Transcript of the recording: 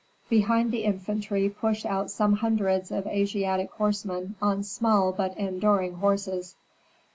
Behind the infantry pushed out some hundreds of Asiatic horsemen on small but enduring horses.